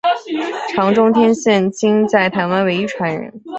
常中天现今在台湾唯一传人。